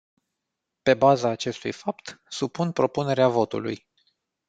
Pe baza acestui fapt, supun propunerea votului.